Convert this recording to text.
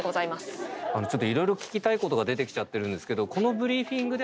色々聞きたいことが出てきちゃってるんですけど。